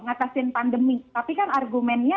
ngatasin pandemi tapi kan argumennya